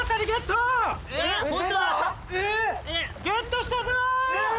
ゲットしたぞ！